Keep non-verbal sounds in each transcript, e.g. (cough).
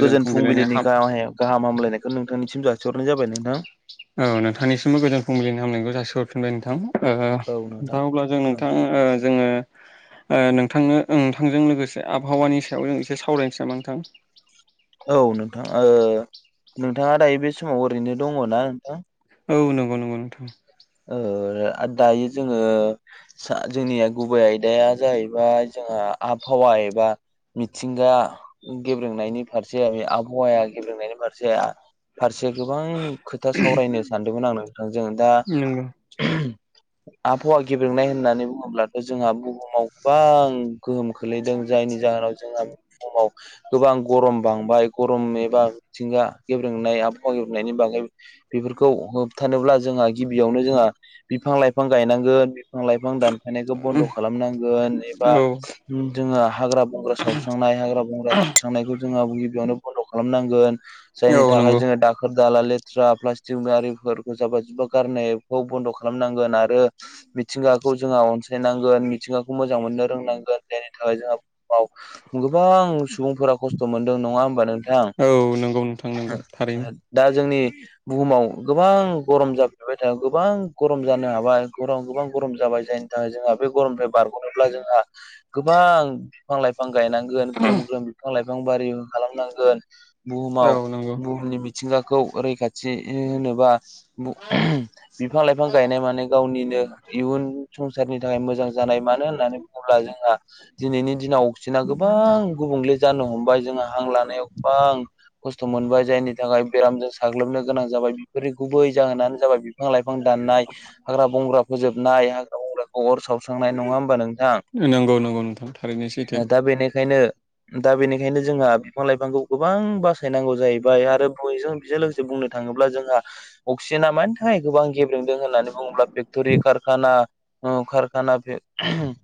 गोजोन फुंबिलिनि गहा-गाहाम हामलायनायखौ नोंथांनिसिम जा हरनाय जाबाय नोंथां। औ नोंथांनिसिमबो गोजान फुंबिलिनि हामलायनायखौ जासिहरफिनबाय नोंथां ओ औ नोंथां दा अब्ला जों औ नोंथां जोङो (inaudible) ओ नोंथांनो नोंथांजों लोगोसे आबहावानि सायाव जों एसे सावरायनोसै नामा नोंथां औ नोंथां ओ नोंथाङा दायो बे समाव ओरैनो दङ' ना नोंथां? औ नंगौ नंगौ नोंथां ओ दायो जोङो जोंनिया गुबै आयदाया जाहैबाय जोंहा आबहावा एबा मिथिंगा गेब्रेंनायनि फारसे आबहावाया गेब्रेंनायनि फारसे फारसे गोबां खोथा सावरायनो सानदोंमोन आं नोंथांजों दा नोंग' आबहावा गेब्रेंनाय होननानै बुङोब्लाथ' जोंहा बुहुमाव गोबां गोहोम खोलैदों जों जायनि जाहोनाव जोंहा समाव गोबां गरम बांबाय गरम एबा मिथिंगा गेब्रेंनाय आबहावा गेब्रेंनायनि बागै बेफोरखौ होबथानोब्ला जोंहा गिबियावनो जोंहा बिफां लाइफां गायनांगोन बिफां लाइफां फां दानफानायखौ बनद' खालामनांगोन एबा औ जोङो हाग्रा हाग्रा बंग्रा सावस्रांनाय हाग्रा बंग्रा दानस्रांनायखौ जोङो गिबियावनो बन्द' खालामनांगोन। जायनि औ थाखाय नंगौ जोङो दाखोर दाला लेथ्रा प्लास्टिक गारिफोरखौ जाबा जुब्बा गारनायखौ बन्द' खालामनांगोन आरो मिथिंगाखौ जोंहा अनसायनांगोन मिथिंगाखौ मोजां मोन ननो रोंनांगोन जायनि थाखाय जोंहा बुहुमाव गोबां सुबुंफोरा खस्थ' मोनदों नङा होमबा नोंथां? औ नंगौ नोंथां नंगौ थारैनो दा जोंनि बुहुमाव गोबां गरम जाबा (unintelligible) गोबां गरम जानो हाबाय गरम गोबां गरम जाबाय जायनि थाखाय जोंहा बे गरमनि बारग'नोब्ला जोंहा गोबां बिफां लाइफां गायनांगोन ग्रोम ग्रोम बिफां लाइफां बिबार बारि खालामनांगोन औ बुहुमाव नंगौ बुहुमनि मिथिंगाखौ रैखाथि होनोबा बिफां लाइफां गायनाय माने गावनिनो इयुन संसारनि थाखाय मोजां जानाय मानो होननानै बुङोब्ला जोंहा दिनैनि दिनाव बांसिना गोबां गुबुंले जानो हमबाय जोंङहा हां लानायाव गोबां खस्थ' मोनबाय जायनि थाखाय बेरामजों साग्लोबनो गोनां जाबाय बेफोरनि गुबै जाहोनानो जाबाय बिफां लाइफां दाननाय हाग्रा बंग्रा फोजोबनाय हाग्रा बंग्रा अर सावस्रांनाय नङा होमबा नोंथां नंगौ नंगौ नोंथां थारैनो सैथो दा बेनिखायनो दा बेनिखायनो जोंहा बिफां लाइफांखौ गोबां बासायनांगौ जाहैबाय आरो बयजों बेजों लोगोसे बुंनो थाङो थाङोब्ला जोंहा अक्सिजेना मोन गोबां गेब्लेंदों होननानै बुङोब्ला फेक्ट'रि कारखाना खारखाना फेगटरि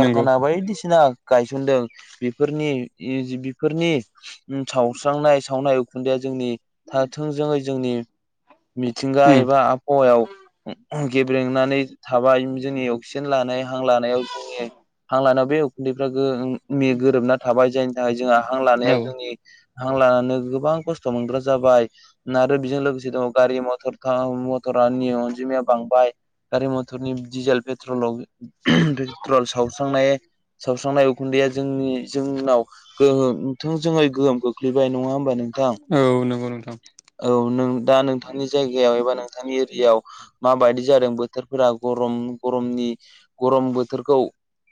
नंगौ बायदिसिना गायसनदों बेफोरनि बेफोरनि सावस्रांनाय सावनाय उखुन्दैया जोंनि थाथोंजोङै जोंनि मिथिंगा उम एबा आबहावायाव गेब्रेंनानै थाबाय जोंनि अक्सिजेन लानाय हां लानायाव जोंनि हां लानायाव बे उखुन्दैफ्रा गोरोबना थाबाय जायनि थाखाय जोंहा हां औ लानायाव जोंनि हां लानानै गोबां खस्थ' मोनग्रा जाबाय आरो बेजों लोगोसे दङ गारि मथर (unintelligible) मटर नि अनजिमाया बांबाय गारि मथरनि डिजेल पेट्रलाव पेट्रल सावस्रांनाय सावस्रांनाय उखुन्दैया जोंनि जोंनाव गोहोम थों जोङै गोहोम खोख्लैबाय नङा होमबा नोंथां औ नंगौ नोंथां। औ दा नोंथांनि जायगायाव एबा नोंथांनि एरियाव माबायदि जादों बोथोरफोरा गरम गरमनि? गरम बोथोरखौ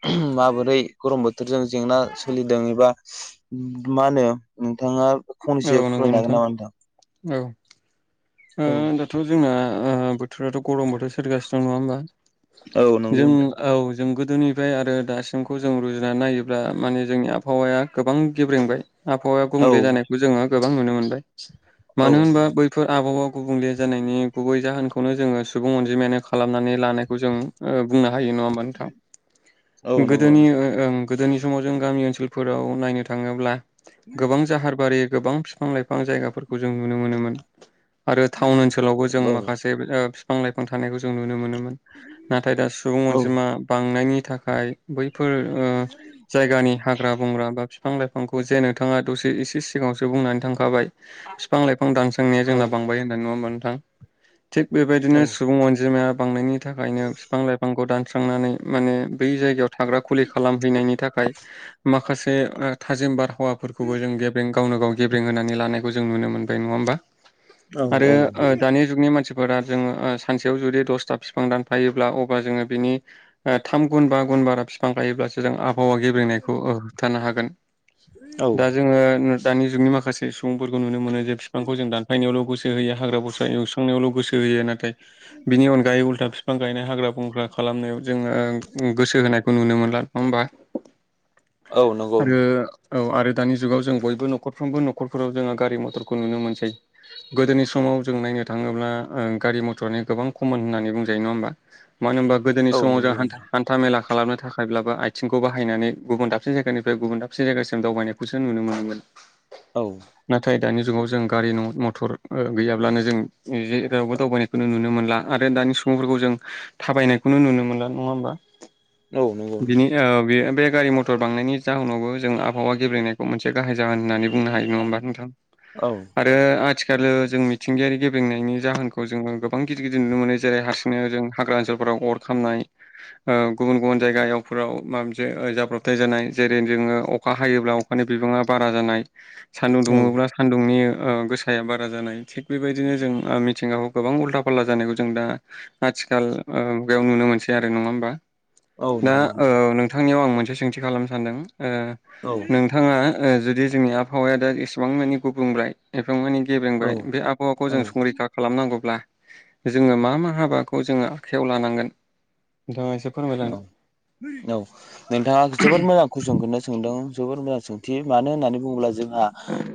(unintelligible) माबोरै गरम बोथोरजों जेंना सोलिदों एबा मा होनो नोंथाङा फंनैसो औ नंगौ फोरमायनो हागोन नामा नोंथां? औ औ दाथ' जोंना ओ बोथोराथ' गरम बोथोर सोलिगासिनो दं। नङा होमबा? औ नंगौ जों नोंथां। औ जों गोदोनिफ्राय आरो दासिमखौ जों रुजुनानै नायोब्ला माने जोंनि आबहावाया गोबां गेब्रेंबाय। आबहावाया औ गुबुंले जानायखौ जोङो गोबां नुनो मोनबाय। औ मानो होनबा बैफो आबहावा गुबुंले जानायनि गुबै जाहोनखौनो जोङो सुबुं अनजिमायानो खालामनानै लानायखौ जों ओ बुंनो हायो। नङा होमबा नोंथां? औ नंगौ गोदोनि ओ ओं गोदोनि समाव जों गामि ओनसोलफोराव नायनो थाङोब्ला गोबां जाहारबारि गोबां बिफां लाइफां जायगाफोरखौ जों नुनो मोनोमोन। आरो टाउन ओनसोलावबो जों औ माखासे ओ फिफां लाइफां थानायखौ जों नुनो मोनो मोन नाथाय दा सुबुं औ अनजिमा बांनायनि थाखाय बैफोर ओ जायगानि हाग्रा बंग्रा बा फि बिफां लाइफांखौ जे नोंथाङा दसे एसे सिगाङावसो बुंनानै थांखाबाय। बिफां लाइफां दान (unintelligible) जोंनाया जोंना औ बांबाय होन्नानै। नङा होमबा नोंथां? थिग बेबायदिनो औ सुबुं अनजिमाया बांनायनि थाखायनो बिफां लाइफांखौ दानस्रांनानै माने बै जायगायाव थाग्रा खुलि खालामहैनायनि थाखाय माखासे ओ थाजिम बारहावाफोरखौबो जों गेब्रें गावनो गाव गेब्रें होनानै लानायखौ जों नुनो मोनबाय। नङा होमबा? औ आरो ओ दानि जुगनि मानसि फोरा जों ओ सानसेयाव जुदि दसथा बिफां दानफायोब्ला अबा जोंङो बिनि ओ थाम गुन बा गु बारा बिफां गायोब्लास जों आबहावा गेब्रेंनायखौ ओ हमथानो हागोन। दा जोङो दानि जुगनि माखासे सुबुंफोरखौ नुनो मोनो जे बिफांखौ जों दानफायनायावल' गोसो होयो। हाग्रा बस्रा एवस्रांनायाव' गोस सो होयो नाथाय बिनि अनगायै उल्था बिफां गायनाय हाग्रा बंग्रा खालामनायाव जोङो गोसो होनायखौ नुनो मोनला। नङा होमबा? औ नंगौ। आरो औ आरो दानि जुगाव जों बयबो न'खरफ्रोमबो न'खरफोराव जोङो गारि मथरखौ नुनो मोनसै। गोदोनि समाव जों नायनो थाङोब्ला ओ गारि मथरानो गोबां कमन होननानै बुंजायो। नङा होमबा? मानो होमबा गोदोनि औ समाव जोंहा नंगौ हान्था नोंथां हान्था मेला खालामनो थाखायब्लाबो आथिंखौ बाहायनानै गुबुन दाबसे जायगानिफ्राय गुबुन दाबसे जायगासिम दावबायनायखौसो नुनो मोनोमोन। औ नाथाय दानि जुगाव जों गारि न मथर ओ गैयाब्लानो जों जेरावबो दावबायनायखौ नुनो मोनला आरो दानि सुबुंफोरखौ जों थाबायनायखौनो नुनो मोनला। नङा होमबा? औ नंगौ बिनि ओ बियो बे गारि मटर बांनायनि जाहोनावबो जों आबहावा गेब्रेंनायखौ मोनसे गाहाय जाहोन होननानै बुंनो हायो। नङा होमबा नोंथां? नोंथां औ आरो आ थिखाल जों मिथिंगायारि ग्रेब्रेंनायनि जाहोनखौ जोङो गोबां गिदिर गिदिर नुनो मोनो। जेरै हारसिंनो जों हाग्रा ओनसोल फोराव अर खामनाय ओ गुबुन गुबुन जायगायाव फोराव माबा मोनसे ओ जाब्रबथाय जानाय। जेरै जोङो अखा हायोब्ला अखानि बिबाङा बारा जानाय सान्दुं औ दुङोब्ला सान्दुंनि ओ गोसाया बारा जानाय थिग बेबायदिनो जों ओ मिथिंगाखौ गोबां उल्था फाल्था जानायखौ जों दा आथिखाल ओ मुयाव नुनो मोनसै आरो। नङा होमबा? औ दा नंगौ औ नोंथांनियाव आं मोनसे सोंथि खालामनो सानदों। ओ नोंथां औ नोंथाङा जुदि जोंनि आबहावाया दा एसेबां मानि गुबुंब्लाय (unintelligible) माने गेब्रेंबाय बे आबहावाखौ जों औ संरैखा खालामनांगौब्ला जोङो मा मा हाबाखौ जोङो आखायाव लानांगोन नोंथाङा एसे फोरमायलां अ औ नोंथाङा जोबोद मोजां कुइसन खोनो सोंदों। जोबोर ब्रा सोंथि मानो होननानै बुङोब्ला जोंहा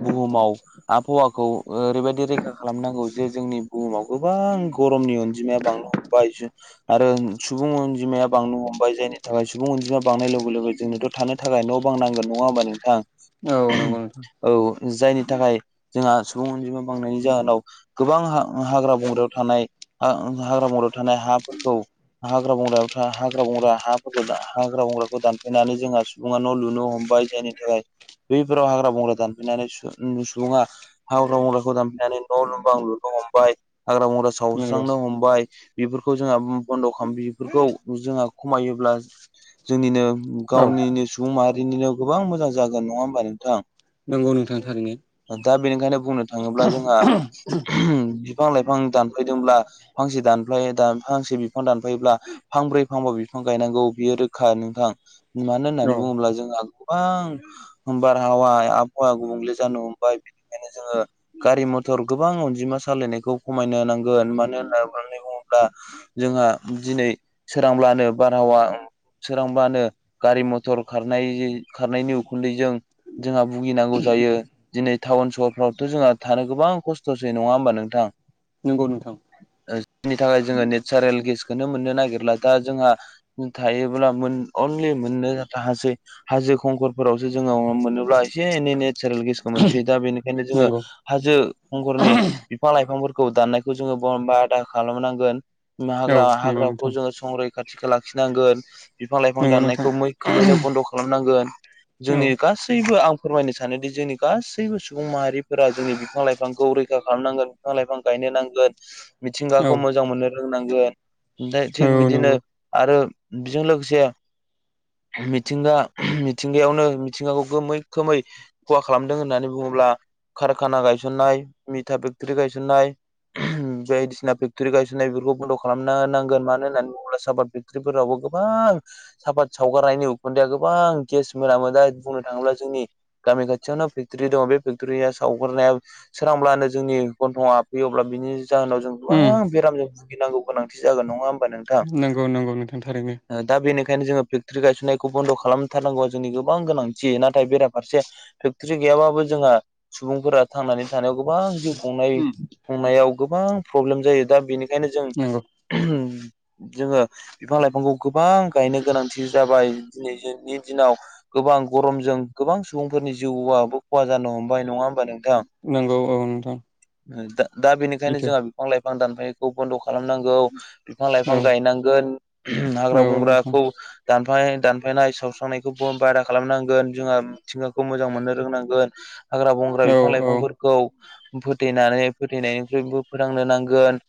बुहुमाव आबहावाखौ ओरैबायदि रैखा खालामनांगौ जे जोंनि बुहुमाव गोबां गरमनि अनजिमाया बांनो हमबाय जु आरो सुबुं अनजिमाया बांनो हमबाय जायनि थाखाय सुबुं अनजिमाया बांनाय लगे लगे जोंनोथ' थानो थाखाय न बां नांगोन। नङा होमबा नोंथां? औ नोंगौ नोंथां। औ जायनि थाखाय जोंहा सुबुं अनजिमा बांनायनि जाहोनाव गोबां हा हाग्रा बंग्रायाव थानाय हाग्रा बंग्रायाव थानाय हाफोरखौ हाग्रा बंग्रायाव हाग्रा बंग्रा हाफोरखौ हाग्रा बंग्राखौ दानफायनानै जोंहा सुबुङा न' लुनो हमबाय जायनि थाखाय बैफोराव हाग्रा बंग्रा दानफैनानै सुबुङा हाग्रा बंग्राखौ दानफैनानै न'बां लु हमबाय हाग्रा बंग्रा नंगौ सावस्रांनो हमबाय बेफोरखौ जोंहा बन्द' खाम बेफोरखौ जोंहा खमायोब्ला जोंनिनो औ गावनिनो सुबुं माहारि निनो गोबां मोजां जागोन नङा होमबा नोंथां? नंगौ नोंथां थारैनो दा बेनिखायनो बुंनो थाङोब्ला जोंहा बिफां लाइफां दानफायदोंब्ला फांसे दानफायो फांसे बिफां दानफायोब्ला फांब्रै फांबा बिफां गायनांगौ बियो रोखा नोंथां मानो होननानै औ बुङोब्ला जोंहा गोबां बारहावाया आबहावाया गुबुंले जानो हमबाय बिनिखायनो जोङो गारि मथर गोबां अनजिमा सालायनायखौ खमायनो नांगोन मानो होननानै बुङोब्ला जोंहा दिनै सोरांब्लानो बारहावा सोरांबानो गारि मथर खार खारनायनि उखुन्दैजों जोंहा भुगिनांगौ जायो दिनै टाउन सहरफ्रावथ' जोंहा थानो गोबां खस्थ'सै नङा होमबा नोंथां? नंगौ नोंथां जायनि थाखाय जोङो नेचारेल गेसखोनो मोननो नागिरला। दा जोंहा थायोबोला मोन अनलि मोननो राहासै हाजो हाजो खंखरफोरावसो जों (unintelligible) मोनोब्ला एसे एनै नेचारेल गेसखौ मोनसै दा बेनिखायनो जोङो नंगौ हाजो खंखरनि बिफां लाइफांफोरखौ दानायखौ जोङो बबादा खालामनांगोन औ नंगौ हाग्रा-हाग्राखौ नोंथां जों रैखाथिखौ लाखिनांगोन। बिफां लाइफां नंगौ नोंथां दाननायखौ मैखोमैनो बन्द' खालामनांगोन जोंनि औ गासैबो आब फोरमायनो सानोदि जोंनि गासैबो सुबुं माहारिफोरा जोंनि बिफां लाइफांखौ रैखा खालामनांगोन बिफां लाइफां गाय नांगोन औ मिथिंगाखौ मोजां मोननो रोंनांगोन ओमफ्राय थिग औ बिदिनो नंगौ आरो बिजों लोगोसे मिथिंगा मिथिंगायावनो मिथिंगाखौ गोमै खोमै ख'हा खालामदों होननानै बुङो होनब्ला कारखाना गायसननाय मिथा फेक्टरि गायसननाय बायदिसिना फेक्टरि गायसननाय बेफोरखौ बन्द' खालामनो नांगोन मानो होननानै बु ब्ला सापात फेक्ट्रिफोरावबो गोबां सापात सावगारनायनि उखुन्दैया गोबां गेस मोनामो दा बुंनो थाङोब्ला जोंनि गामि खाथियावनो फेक्टरि दङ' बे फेक्ट'रिया सावगारनाया सोरांब्लानो जोंनि गनथ'ङाव हाबफैयो अब्ला बिनि जाहोनाव जों उम गोबां बेरामजों भुगिनांगौ गोनांथि जागोन नङा होमबा नों नोंगौ नोंगौ नोंथां थारैनो बेनिखायनो जो फेकटरि गायसननायखौ बन्द' खालामथारनांगौ जोंनि गोबां गोनांथि नाथाय बेराफारसे फेक्टरि गै गैयाबाबो जोंहा सुबुंफोरा थांनानै थानायाव गोबां जिउ उम खुंनायाव गोबां प्रब्लेम जायो दा बेनि बेंखायनो जों नंगौ जोङो बिफां-लाइफांखौ गोबां गायनो गोनांथि जाबाय दिनैनि दिनाव गोबां गरमजों गोबां सुबुंफोरनि जिउआबो ख'हा जानो हमबाय नङाहोम नंगौ औ नोंथां दा बेनिखायनो सैथो जोंहा बिफां-लाइफां दानफायनायखौ बन्द' खालामनांगौ बिफां-लाइ बिफां औ गायनांगोन हाग्रा औ नोंथां बंग्राखौ दानफाय दानफायनाय साव नायखौबो ब' बारा खालामनांगोन जोंहा मिथिंगाखौ मोजां मोननो रोंनांगोन। गोन हाग्रा बंग्रा औ औ बिफां-लाइफांफोरखौ फोथेनानै फोथैनायनिख्रुबो फोरोंनो नांगोन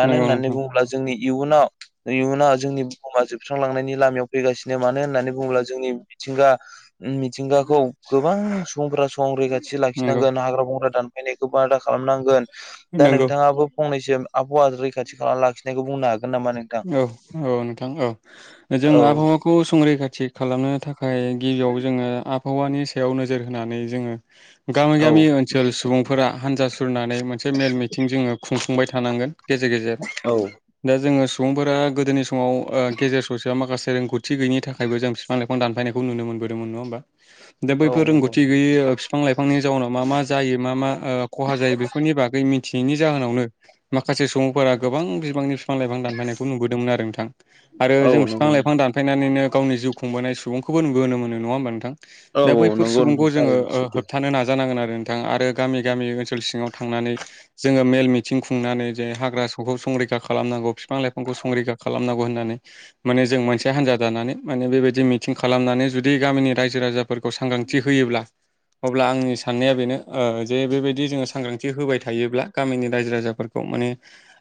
मानो नंगौ होननानै नोंथां बुङोब्ला जोंनि इयुनाव इयुनाव जोंनि बुहुमा जोबस्रांलांनायनि लामायाव फैगासिनो मानो होननानै बुङोब्ला जोंनि मिथिंगा ओम मिथिंगाखौ गोबां सुबुंफोरा संरैखा थि नंगौ लाखिनांगोन हाग्रा बंग्रा दानफायनायखौ बादा खालामनांगोन दा नंगौ नोंथाङाबो फंनै सिम आबहावा रैखाथि खालामना लाखिनायखौ बुंनो हागोन नामा? नोंथां? औ औ नोंथां औ जों औ आबहावाखौ संरैखाथि खालामनो था खाय गिबियाव जोङो आबहावानि सायाव नोजोर होनानै जोङो गामि औ गामि ओनसोल सुबुंफोरा हान्जा सुरनानै मोनसे मेल मिथिं जोङो खुंफुंबाय थानांगोन गेजेर गेजेर दा जोङो सुबुंफोरा गोदोनि समाव ओ गेजेर ससेया माखासे रोंगौथि गैयिनि थाखायबो जों फिफां-लाइफां दानफायनायखौ नुनो मोनो। बोदोंमोन नङा होमबा दा औ बैफोर नंगौ रोंगौथि गैयै बिफां-लाइफांनि जाउनाव मा मा जायो मा मा ओ ख'हा जायो बेफोरनि बागै मिथियैनि जाहोनावनो माखासे सुबुंफोरा गोबां बिबांनि फिफां-लाइफां दानफायनाय बोदोंमोन आरो नोंथां आरो औ जों फिफां नंगौ लाइफां दानायनाय नैनो गावनि जिउ खुंबोनाय सुबुंखौबो नुबोनो मोनो नङा होमबा नोंथां औ दा औ बैफोर नंगौ सुबुंखौ नोंथां जोङो थारैनो ओ सैथो होबथानो नाजानांगोन आरो नोंथां आरो गामि गामि ओनसोल सिङाव थांनानै जोङो मेल मिथिं खुंनानै जे हाग्रा सगौ से संरैखा खालामनांगौ फिफां-लाइफांखौ संरैखा खालामनांगौ होननानै माने जों मोनसे हान्जा दानानै माने बेबायदि मिथिं खालामनानै जुदि गामिनि रायजो-राजाफोरखौ सांग्रांथि होयोब्ला अब्ला आंनि साननाया बेनो ओ जे बेबायदि जोङो सांग्रांथि होबाय थायोब्ला गामिनि रायजो-राजाफोरखौ माने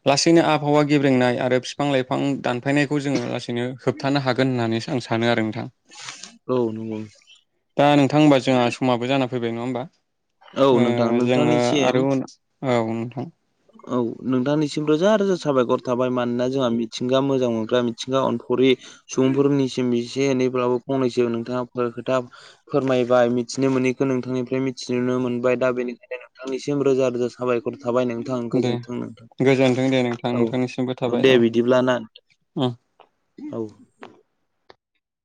लासैनो आबहावा गेब्रेंनाय आरो फिफां-लाइफां दानफायनायखौ जोङो लासैनो होबथानो हागोन होननानै सा आं सानो आरो नोंथां औ नंगौ दा नोंथां होनबा जोंहा समाबो जाना फैबाय नङा होमबा औ ओ नोंथां जोङो नोंथांनिसिम आरो उन औ नोंथां औ नोंथांनिसिम रोजा रोजा साबायख'र थाबाय मानोना जोंहा मिथिंगा मोजां मोनग्रा मिथिंगा अनफाव सुबुंफोरनिसिम एसे एनैब्लाबो फंनैसो नोंथाङा खोथा फोरमायबाय मिथि मिथिनो मोनैनिखौ नोंथांनिफ्राय मिथि नुनो मोनबाय दा बेनिखायनो नोंथांनिसिम रोजा रोजा साबायख'र थाबाय नोंथां दे गोजोनथों नोंथां गोजोनथों दे नोंथां नोंथांनिसिमबो औ थाबाय दे बिदिब्ला ना औ औ